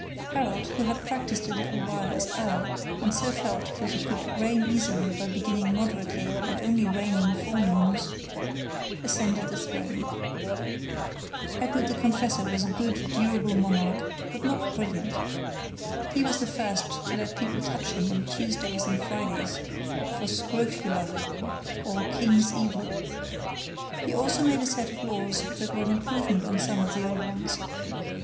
Harold, who had practised a little while as earl, and so felt that he could reign easily by beginning moderately and only reigning forenoons, ascended the throne. Edward the Confessor was a good, durable monarch, but not brilliant. He was the first to let people touch him on Tuesdays and Fridays for scrofula, or "king's evil." He also made a set of laws that were an improvement on some of the old ones.